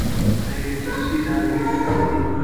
د ایټریسي د عضلې کمېدل دي.